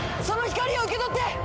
その光を受け取って！